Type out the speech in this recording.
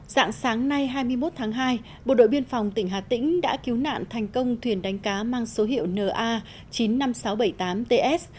dạng sáng nay hai mươi một tháng hai bộ đội biên phòng tỉnh hà tĩnh đã cứu nạn thành công thuyền đánh cá mang số hiệu na chín mươi năm nghìn sáu trăm bảy mươi tám ts